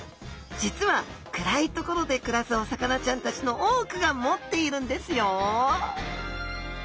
実は暗い所で暮らすお魚ちゃんたちの多くが持っているんですよ